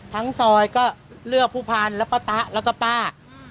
ทั้งซอยก็เลือกผู้พันธุ์แล้วก็ป้าแล้วก็ป้า